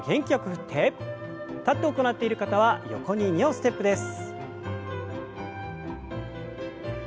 立って行っている方は横に２歩ステップです。